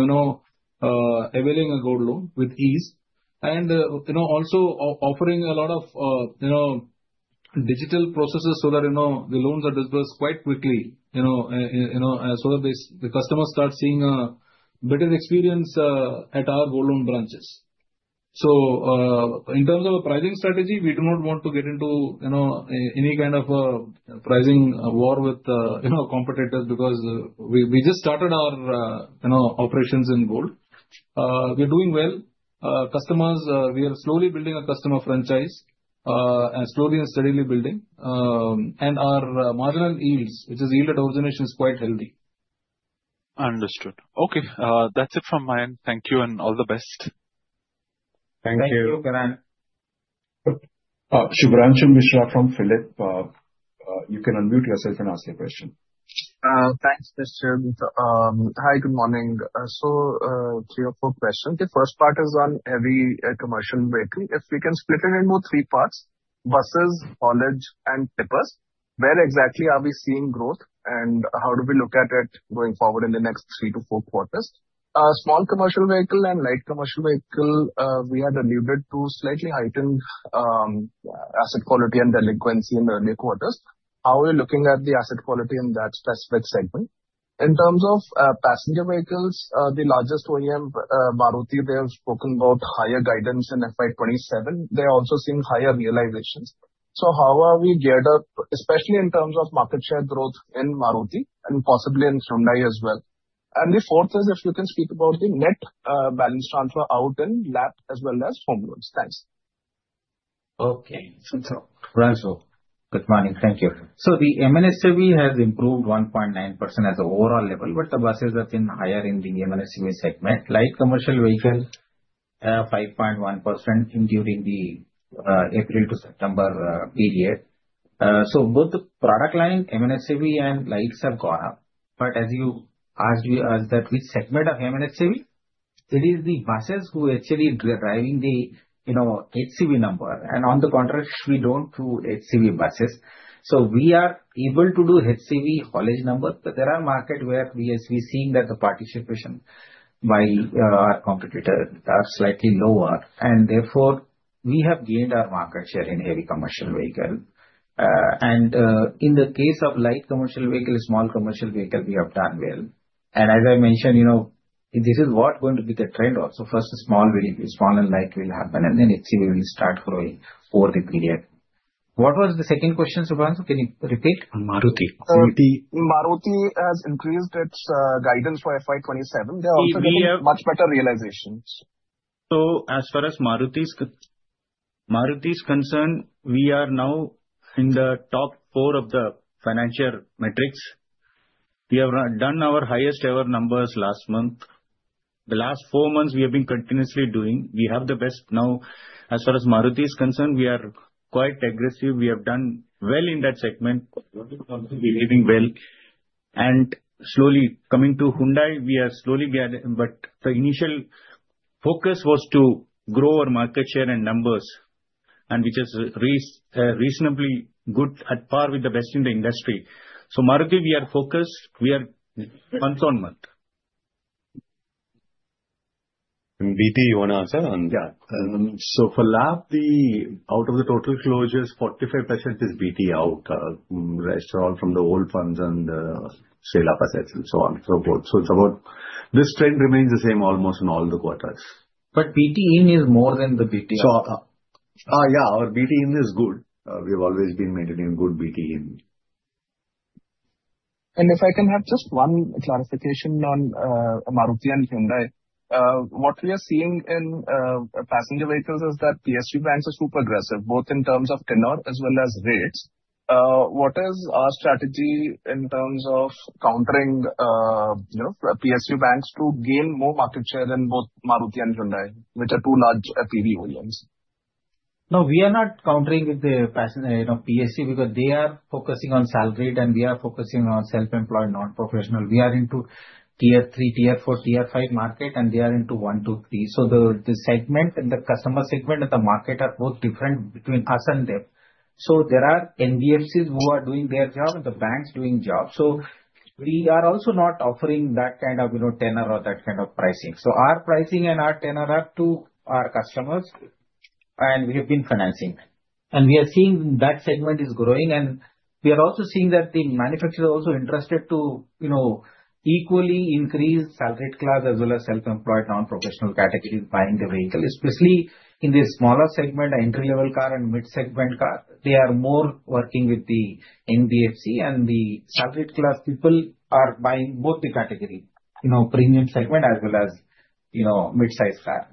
[SPEAKER 6] availing a gold loan with ease, and also offering a lot of digital processes so that the loans are disbursed quite quickly so that the customers start seeing a better experience at our gold loan branches, so in terms of a pricing strategy, we do not want to get into any kind of pricing war with competitors because we just started our operations in gold. We are doing well. We are slowly building a customer franchise and slowly and steadily building. And our marginal yields, which is yield at origination, is quite healthy.
[SPEAKER 9] Understood. Okay. That's it from my end. Thank you and all the best.
[SPEAKER 2] Thank you.
[SPEAKER 6] Thank you, piran.
[SPEAKER 1] Subramanian Mishra from Phillip. You can unmute yourself and ask your question.
[SPEAKER 10] Thanks, Mr. Mithra. Hi, good morning. Three or four questions. The first part is on heavy commercial vehicle. If we can split it into three parts, buses, haulage, and tippers, where exactly are we seeing growth, and how do we look at it going forward in the next three to four quarters? Small commercial vehicle and light commercial vehicle, we had alluded to slightly heightened asset quality and delinquency in the early quarters. How are we looking at the asset quality in that specific segment? In terms of passenger vehicles, the largest OEM, Maruti, they have spoken about higher guidance in FY27. They are also seeing higher realizations. How are we geared up, especially in terms of market share growth in Maruti and possibly in Hyundai as well? And the fourth is, if you can speak about the net balance transfer out in LAP as well as home loans. Thanks.
[SPEAKER 2] Okay.
[SPEAKER 6] Shubhranshu Sir, good morning. Thank you. The MHCV has improved 1.9% as an overall level, but the buses are seen higher in the MHCV segment. Light commercial vehicle, 5.1% during the April to September period. Both the product line, MHCV and lights have gone up. As you asked us that which segment of MHCV, it is the buses who are actually driving the HCV number. On the contrary, we don't do HCV buses. We are able to do HCV haulage number, but there are markets where we are seeing that the participation by our competitors are slightly lower. Therefore, we have gained our market share in heavy commercial vehicle. In the case of light commercial vehicle, small commercial vehicle, we have done well. As I mentioned, this is what is going to be the trend also. First, small and light will happen, and then HCV will start growing over the period. What was the second question, Subramanian sir? Can you repeat?
[SPEAKER 2] Maruti.
[SPEAKER 10] Maruti has increased its guidance for FY27. They are also getting much better realizations.
[SPEAKER 2] So as far as Maruti is concerned, we are now in the top four of the financial metrics. We have done our highest-ever numbers last month. The last four months, we have been continuously doing. We have the best now. As far as Maruti is concerned, we are quite aggressive. We have done well in that segment. We are doing well. And slowly coming to Hyundai, we are slowly getting, but the initial focus was to grow our market share and numbers, which is reasonably good at par with the best in the industry. So Maruti, we are focused. We are month on month. BT, you want to answer?
[SPEAKER 4] Yeah. So for LAP, out of the total closures, 45% is BT out, rest are all from the old funds and SME assets and so on. So this trend remains the same almost in all the quarters.
[SPEAKER 10] But BT in is more than the BT out.
[SPEAKER 4] Yeah. Our BT in is good. We have always been maintaining good BT in.
[SPEAKER 10] And if I can have just one clarification on Maruti and Hyundai, what we are seeing in passenger vehicles is that PSU banks are super aggressive, both in terms of tenor as well as rates. What is our strategy in terms of countering PSU banks to gain more market share in both Maruti and Hyundai, which are two large PV OEMs?
[SPEAKER 6] No, we are not competing with the PSUs because they are focusing on salaried class, and we are focusing on self-employed, non-professional. We are into tier three, tier four, tier five markets, and they are into one, two, three. So the segment and the customer segment and the market are both different between us and them. So there are NBFCs who are doing their job and the banks doing jobs. So we are also not offering that kind of tenor or that kind of pricing. So our pricing and our tenor are to our customers, and we have been financing. And we are seeing that segment is growing. And we are also seeing that the manufacturers are also interested to equally increase salaried class as well as self-employed, non-professional categories buying the vehicle, especially in the smaller segment, entry-level car and mid-segment car. They are more working with the NBFC, and the salaried class people are buying both the category, premium segment as well as mid-size car.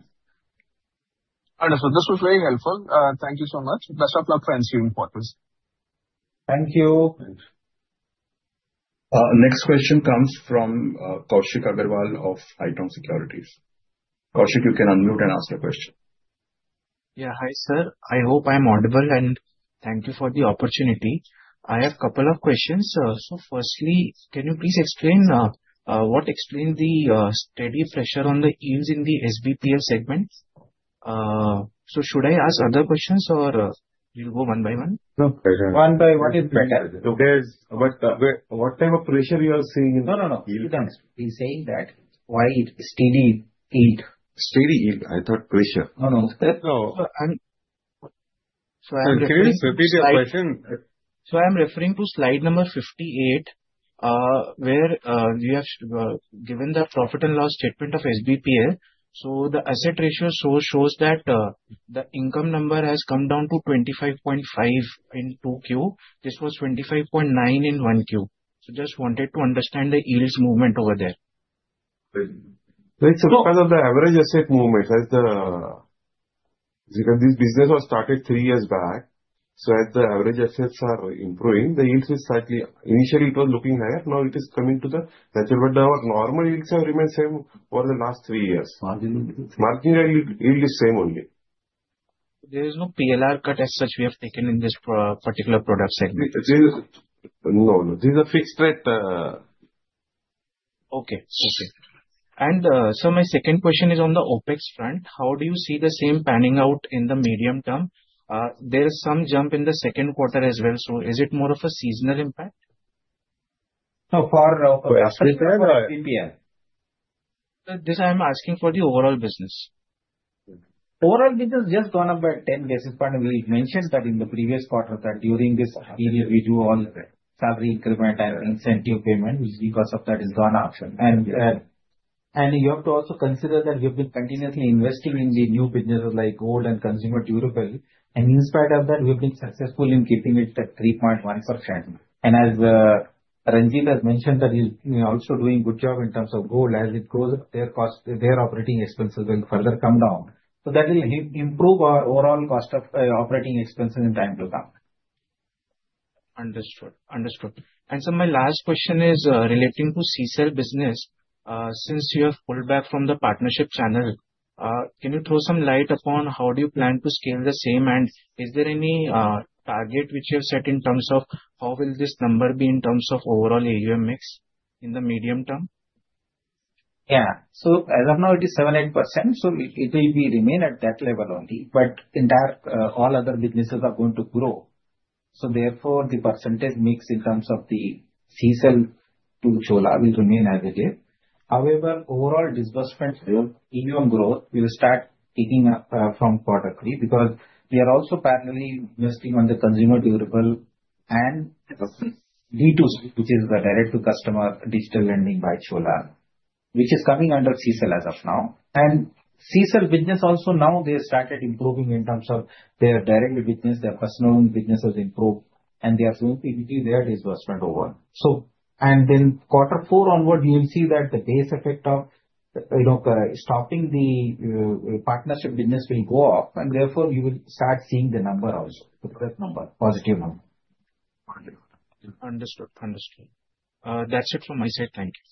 [SPEAKER 10] Understood. This was very helpful. Thank you so much. Best of luck for coming quarters.
[SPEAKER 6] Thank you.
[SPEAKER 1] Next question comes from Kaushik Agarwal of Haitong Securities. Kaushik, you can unmute and ask your question. Yeah. Hi, sir. I hope I'm audible, and thank you for the opportunity. I have a couple of questions. So firstly, can you please explain what explains the steady pressure on the yields in the SBPL segment? So should I ask other questions, or we'll go one by one?
[SPEAKER 6] One by what is better?
[SPEAKER 4] What type of pressure you are seeing in the yield?
[SPEAKER 6] No, He's saying that why it's steady yield.
[SPEAKER 4] Steady yield? I thought pressure.
[SPEAKER 6] No,
[SPEAKER 4] So I'm curious.
[SPEAKER 11] I'm referring to slide number 58, where you have given the profit and loss statement of SBPL. The asset ratio shows that the income number has come down to 25.5 in 2Q. This was 25.9 in 1Q. Just wanted to understand the yield's movement over there.
[SPEAKER 4] Right. So because of the average asset movement, as the business was started three years back, so as the average assets are improving, the yields are slightly initially. It was looking higher. Now it is coming to the natural, but our normal yields have remained the same over the last three years. Margin yield is the same only.
[SPEAKER 11] There is no PLR cut as such we have taken in this particular product segment.
[SPEAKER 4] No, This is a fixed rate.
[SPEAKER 11] Okay. And so my second question is on the OpEx front. How do you see the same panning out in the medium term? There is some jump in the second quarter as well, so is it more of a seasonal impact?
[SPEAKER 6] No. For.
[SPEAKER 4] For SBPL?
[SPEAKER 11] This, I'm asking for the overall business.
[SPEAKER 6] Overall business just gone up by 10 BPS. We mentioned that in the previous quarter that during this period, we do all salary increment and incentive payment, which because of that is gone up, and you have to also consider that we have been continuously investing in the new businesses like gold and consumer durables. In spite of that, we have been successful in keeping it at 3.1%. As Ranjit has mentioned, that is also doing a good job in terms of gold. As it grows, their operating expenses will further come down, so that will improve our overall cost of operating expenses in time to come.
[SPEAKER 11] Understood. And so my last question is relating to CSEL business. Since you have pulled back from the partnership channel, can you throw some light upon how do you plan to scale the same? And is there any target which you have set in terms of how will this number be in terms of overall AUM mix in the medium term?
[SPEAKER 6] Yeah. So as of now, it is 7%, 8%. So it will remain at that level only. But all other businesses are going to grow. So therefore, the percentage mix in terms of the CSEL to Chola will remain as it is. However, overall disbursement, AUM growth, we will start taking up from quarter three because we are also parallelly investing on the consumer durable and D2C, which is the direct-to-customer digital lending by Chola, which is coming under CSEL as of now. And CSEL business also now they have started improving in terms of their direct business, their personal business has improved, and they are going to increase their disbursement over. So and then quarter four onward, you will see that the base effect of stopping the partnership business will go up. And therefore, you will start seeing the number also, the product number, positive number.
[SPEAKER 11] Understood. That's it from my side. Thank you.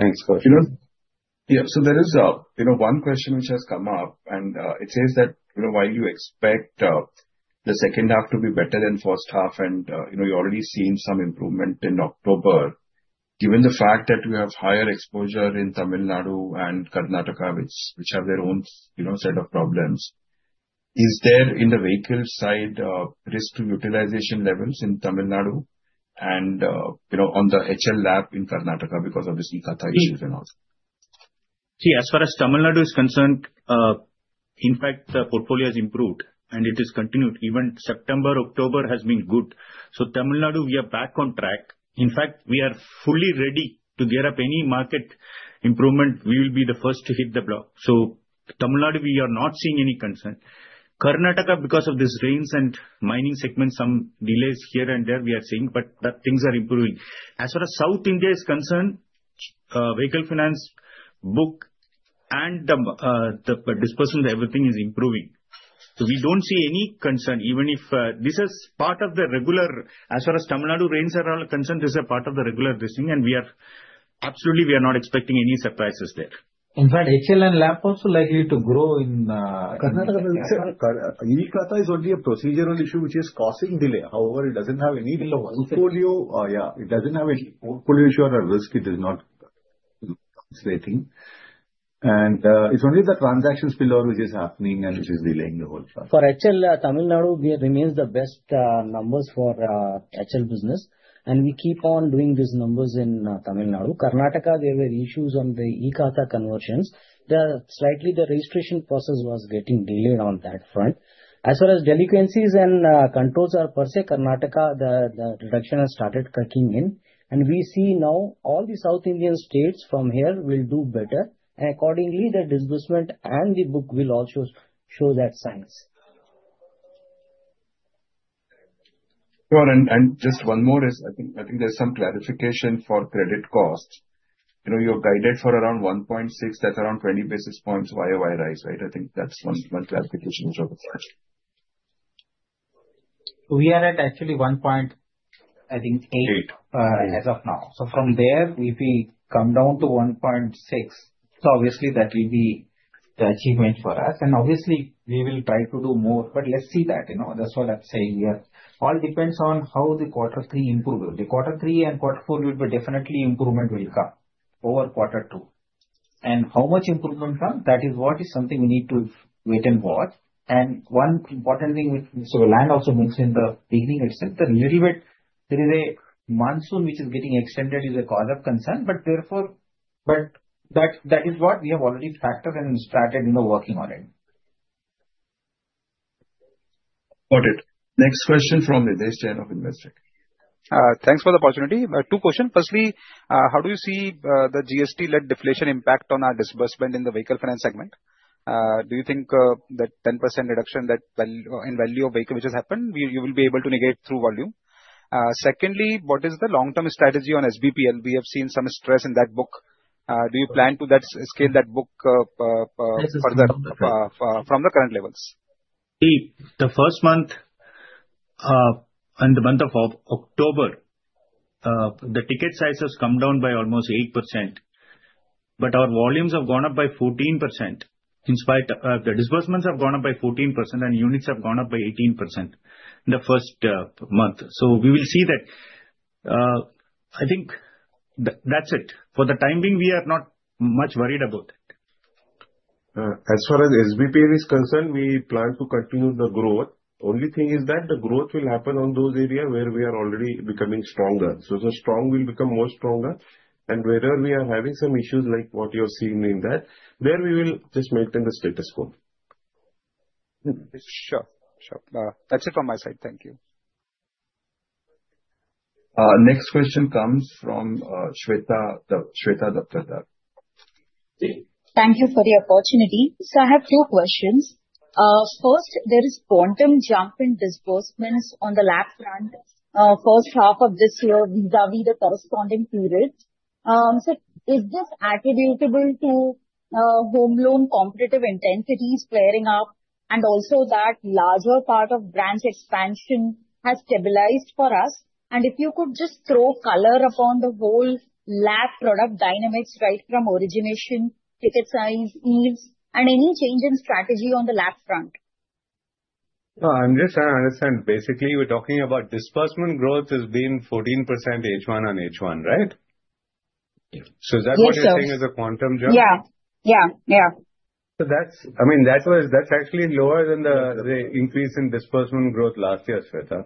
[SPEAKER 4] Thanks, Kaushik. Yeah. So there is one question which has come up, and it says that while you expect the second half to be better than first half, and you're already seeing some improvement in October, given the fact that we have higher exposure in Tamil Nadu and Karnataka, which have their own set of problems, is there in the vehicle side risk-to-utilization levels in Tamil Nadu and on the HL/LAP in Karnataka because of the e-Khata issues and all?
[SPEAKER 2] See, as far as Tamil Nadu is concerned, in fact, the portfolio has improved, and it has continued. Even September, October has been good. So Tamil Nadu, we are back on track. In fact, we are fully ready to gear up any market improvement. We will be the first to hit the block. So Tamil Nadu, we are not seeing any concern. Karnataka, because of this rains and mining segment, some delays here and there, we are seeing, but things are improving. As far as South India is concerned, vehicle finance book and the disbursement, everything is improving. So we don't see any concern, even if this is part of the regular. As far as Tamil Nadu rains are all concerned, this is a part of the regular listing, and absolutely, we are not expecting any surprises there.
[SPEAKER 6] In fact, HL and LAP also likely to grow in.
[SPEAKER 4] Karnataka is only a procedural issue which is causing delay. However, it doesn't have any portfolio. Yeah. It doesn't have any portfolio issue or a risk. It is not translating and it's only the transactions pillar which is happening and which is delaying the whole process.
[SPEAKER 6] For HL, Tamil Nadu remains the best numbers for HL business, and we keep on doing these numbers in Tamil Nadu. Karnataka, there were issues on the e-Khata conversions. Slightly, the registration process was getting delayed on that front. As far as delinquencies and controls are per se, Karnataka, the reduction has started cracking in. And we see now all the South Indian states from here will do better. And accordingly, the disbursement and the book will also show that signs.
[SPEAKER 4] And just one more is, I think, there's some clarification for credit cost. You're guided for around 1.6. That's around 20 BPS YOY rise, right? I think that's one clarification which I would like.
[SPEAKER 6] We are at actually 1.8 as of now. So from there, if we come down to 1.6, so obviously, that will be the achievement for us. And obviously, we will try to do more, but let's see that. That's what I'm saying here. All depends on how the quarter three improves. The quarter three and quarter four will definitely improvement will come over quarter two. And how much improvement come, that is what is something we need to wait and watch. And one important thing, so Arul also mentioned in the beginning itself, the little bit, there is a monsoon which is getting extended is a cause of concern, but therefore, but that is what we have already factored and started working on it.
[SPEAKER 1] Got it. Next question from Nidesh Jain of Investec.
[SPEAKER 12] Thanks for the opportunity. Two questions. Firstly, how do you see the GST-led deflation impact on our disbursement in the vehicle finance segment? Do you think that 10% reduction in value of vehicle which has happened, you will be able to negate through volume? Secondly, what is the long-term strategy on SBPL? We have seen some stress in that book. Do you plan to scale that book further from the current levels?
[SPEAKER 2] The first month and the month of October, the ticket size has come down by almost 8%, but our volumes have gone up by 14%. Despite, the disbursements have gone up by 14% and units have gone up by 18% in the first month. So we will see that. I think that's it. For the time being, we are not much worried about that.
[SPEAKER 4] As far as SBPL is concerned, we plan to continue the growth. Only thing is that the growth will happen on those areas where we are already becoming stronger. So the strong will become more stronger. And wherever we are having some issues like what you are seeing in that, there we will just maintain the status quo.
[SPEAKER 12] Sure. That's it from my side. Thank you.
[SPEAKER 1] Next question comes from Shwetha Daptardar.
[SPEAKER 13] Thank you for the opportunity. I have two questions. First, there is quantum jump in disbursements on the LAP front first half of this year vis-à-vis the corresponding period. Is this attributable to home loan competitive intensities flaring up and also that larger part of branch expansion has stabilized for us? If you could just throw color upon the whole LAP product dynamics right from origination, ticket size, yields, and any change in strategy on the LAP front?
[SPEAKER 4] No, I understand. Basically, we're talking about disbursement growth has been 14% H1 on H1, right? So is that what you're saying is a quantum jump?
[SPEAKER 13] Yeah.
[SPEAKER 4] I mean, that's actually lower than the increase in disbursement growth last year, Shwetha.
[SPEAKER 13] So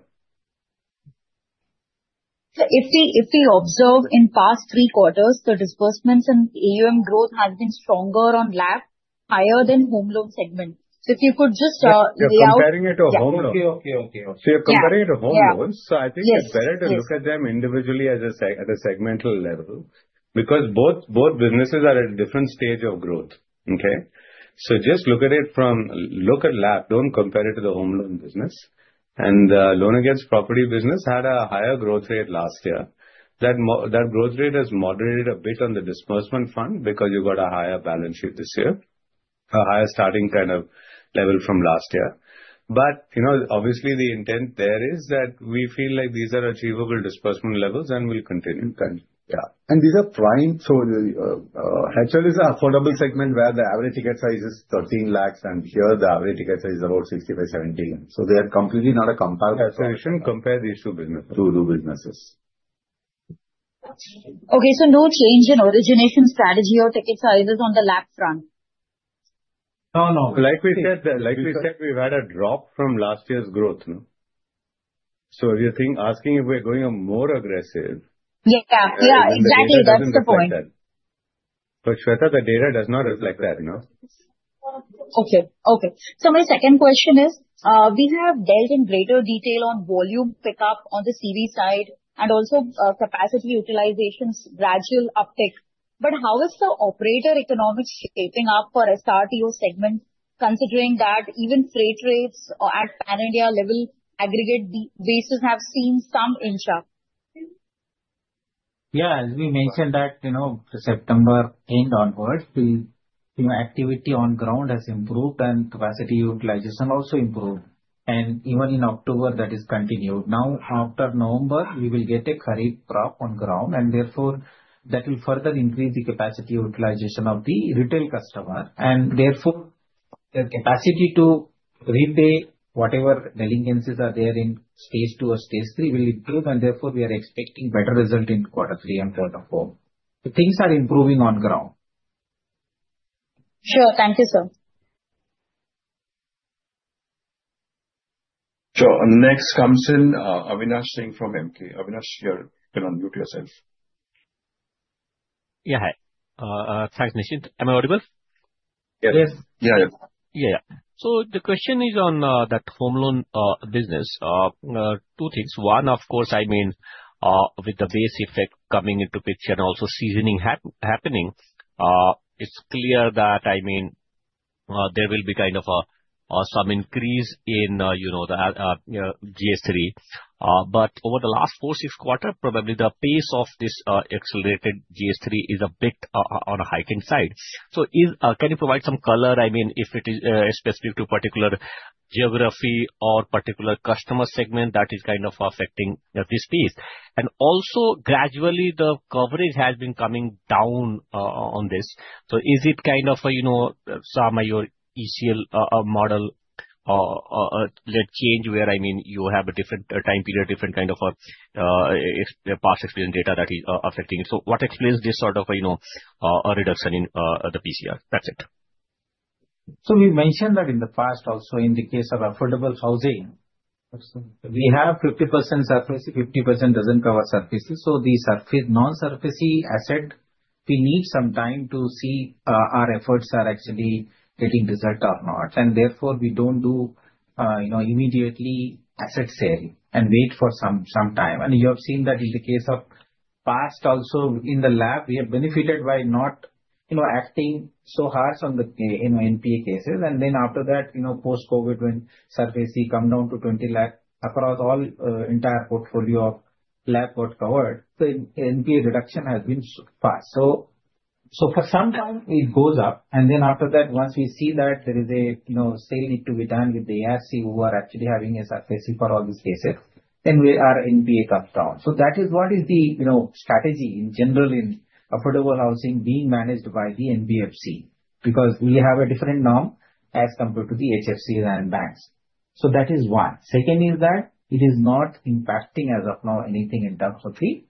[SPEAKER 13] if we observe in the past three quarters, the disbursements and AUM growth has been stronger in LAP higher than home loan segment. So if you could just lay out.
[SPEAKER 4] You're comparing it to home loans. Okay. So I think it's better to look at them individually at a segmental level because both businesses are at a different stage of growth. Okay? So just look at it from look at LAP, don't compare it to the home loan business. And the loan against property business had a higher growth rate last year. That growth rate has moderated a bit on the disbursement front because you got a higher balance sheet this year, a higher starting kind of level from last year. But obviously, the intent there is that we feel like these are achievable disbursement levels and will continue kind of. Yeah. And these are prime. So HL is an affordable segment where the average ticket size is 13 lakhs, and here the average ticket size is about 65-70 lakhs. They are completely not a comparable. Comparison compared to issue business. To do businesses.
[SPEAKER 13] Okay. So no change in origination strategy or ticket sizes on the LAP front?
[SPEAKER 6] No,
[SPEAKER 4] Like we said, we've had a drop from last year's growth. So asking if we're going more aggressive.
[SPEAKER 13] Yeah. Yeah. Exactly. That's the point.
[SPEAKER 4] But Shwetha, the data does not reflect that.
[SPEAKER 13] My second question is, we have dealt in greater detail on volume pickup on the CV side and also capacity utilization's gradual uptick. But how is the operator economics shaping up for SRTO segment, considering that even freight rates at Pan India level aggregate basis have seen some inch up?
[SPEAKER 6] Yeah. As we mentioned that September 10 onwards, the activity on ground has improved and capacity utilization also improved. And even in October, that has continued. Now, after November, we will get a current drop on ground, and therefore, that will further increase the capacity utilization of the retail customer. And therefore, their capacity to repay whatever delinquencies are there in Stage 2 or Stage 3 will improve. And therefore, we are expecting better result in quarter three and quarter four. So things are improving on ground.
[SPEAKER 13] Sure. Thank you, sir.
[SPEAKER 1] Sure, and next comes in Avinash Singh from MK. Avinash, you can unmute yourself.
[SPEAKER 14] Yeah. Thanks, Nischint. Am I audible?
[SPEAKER 4] Yes.
[SPEAKER 6] Yes.
[SPEAKER 4] Yeah.
[SPEAKER 14] Yeah. Yeah. So the question is on that home loan business. Two things. One, of course, I mean, with the base effect coming into picture and also seasoning happening, it's clear that I mean, there will be kind of some increase in the GS3. But over the last four, six quarters, probably the pace of this accelerated GS3 is a bit on a higher side. So can you provide some color, I mean, if it is specific to particular geography or particular customer segment that is kind of affecting this piece? And also, gradually, the coverage has been coming down on this. So is it kind of some of your ECL model led change where, I mean, you have a different time period, different kind of past experience data that is affecting it? So what explains this sort of a reduction in the PCR? That's it.
[SPEAKER 6] So we mentioned that in the past, also in the case of affordable housing, we have 50% coverage, 50% doesn't cover coverage. So the non-coverage asset, we need some time to see our efforts are actually getting result or not. And therefore, we don't do immediately asset sale and wait for some time. And you have seen that in the case of past, also in the LAP, we have benefited by not acting so hard on the NPA cases. And then after that, post-COVID, when coverage come down to 20% across the entire portfolio of LAP got covered, the NPA reduction has been fast. So for some time, it goes up. And then after that, once we see that there is a sale need to be done with the ARC who are actually having a coverage for all these cases, then our NPA comes down. That is what is the strategy in general in affordable housing being managed by the NBFC because we have a different norm as compared to the HFCs and banks. That is one. Second is that it is not impacting as of now anything in terms of the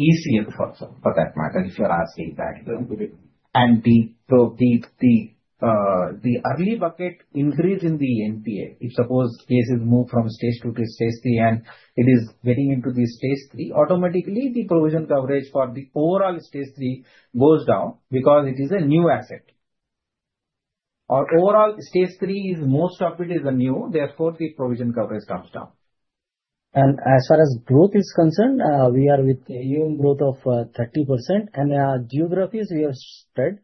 [SPEAKER 6] ECF also, for that matter, if you're asking that. The early bucket increase in the NPA, if suppose cases move from stage two to stage three and it is getting into the stage three, automatically, the provision coverage for the overall stage three goes down because it is a new asset. Overall stage three is most of it is a new. Therefore, the provision coverage comes down.
[SPEAKER 2] As far as growth is concerned, we are with EU growth of 30%.And geographies we have spread,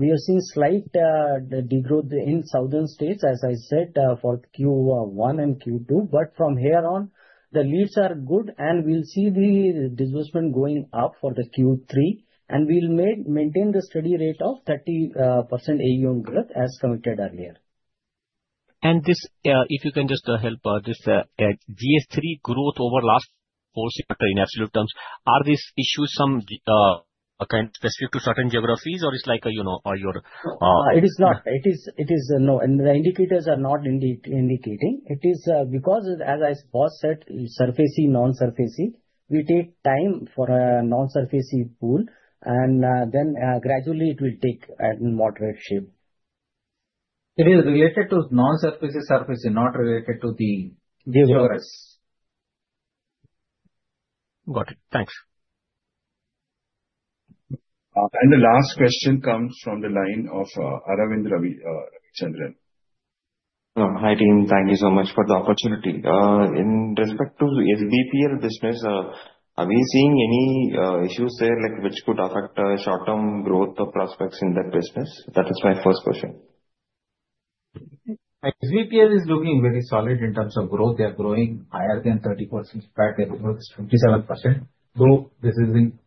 [SPEAKER 2] we have seen slight degrowth in southern states, as I said, for Q1 and Q2. But from here on, the leads are good, and we'll see the disbursement going up for the Q3. And we'll maintain the steady rate of 30% AUM growth as committed earlier.
[SPEAKER 14] If you can just help, this Stage 3 growth over last four, six quarter in absolute terms, are these issues some kind of specific to certain geographies, or it's like your?
[SPEAKER 2] It is not. It is no. And the indicators are not indicating. It is because, as I said, secured, unsecured, we take time for an unsecured pool, and then gradually, it will take a mature shape.
[SPEAKER 6] It is related to unsecured secured, not related to the geography.
[SPEAKER 14] Got it. Thanks.
[SPEAKER 1] The last question comes from the line of Aravind Ravi Chandran.
[SPEAKER 15] Hi, team. Thank you so much for the opportunity. In respect to the SBPL business, are we seeing any issues there which could affect short-term growth prospects in that business? That is my first question.
[SPEAKER 6] SBPL is looking very solid in terms of growth. They are growing higher than 30%. In fact, they're growing 27%. Though this is in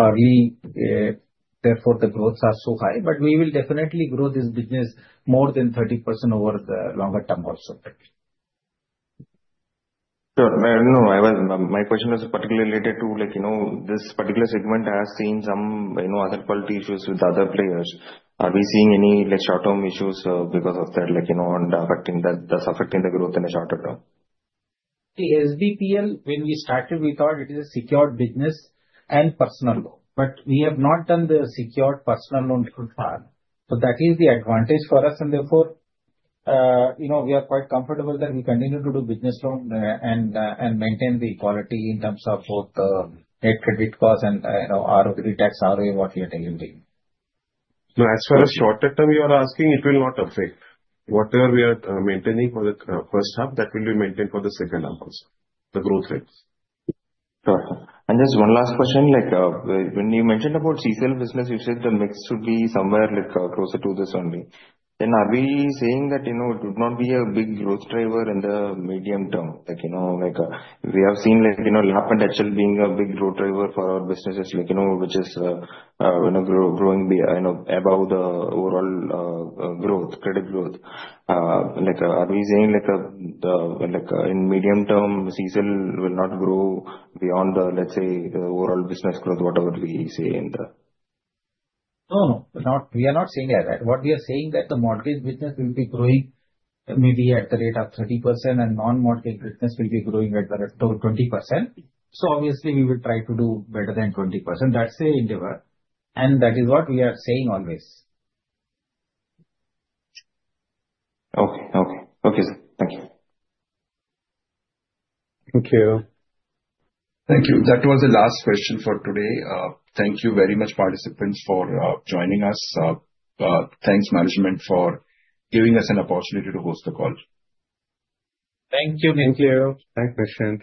[SPEAKER 6] early, therefore, the growths are so high, but we will definitely grow this business more than 30% over the longer term also.
[SPEAKER 15] Sure. No, my question was particularly related to this particular segment has seen some other quality issues with other players. Are we seeing any short-term issues because of that and affecting the growth in the shorter term?
[SPEAKER 6] The SBPL, when we started, we thought it is a secured business and personal loan. But we have not done the secured personal loan so far. So that is the advantage for us. And therefore, we are quite comfortable that we continue to do business loan and maintain the quality in terms of both net credit cost and ROE tax, ROE, what we are delivering.
[SPEAKER 4] No, as far as shorter term you are asking, it will not affect whatever we are maintaining for the first half. That will be maintained for the second half also, the growth rate.
[SPEAKER 15] Sure. And just one last question. When you mentioned about CCL business, you said the mix should be somewhere closer to this only. Then are we saying that it would not be a big growth driver in the medium term? We have seen LAP and HL being a big growth driver for our businesses, which is growing above the overall growth, credit growth. Are we saying in medium term, CCL will not grow beyond the, let's say, overall business growth, whatever we say in the?
[SPEAKER 6] No, no. We are not saying that. What we are saying is that the mortgage business will be growing maybe at the rate of 30%, and non-mortgage business will be growing at the rate of 20%. So obviously, we will try to do better than 20%. That's the endeavor. And that is what we are saying always.
[SPEAKER 15] Okay, sir. Thank you.
[SPEAKER 4] Thank you.
[SPEAKER 1] Thank you. That was the last question for today. Thank you very much, participants, for joining us. Thanks, management, for giving us an opportunity to host the call.
[SPEAKER 6] Thank you, Ninkleer.
[SPEAKER 4] Thanks, Krishan.